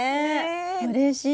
うれしい！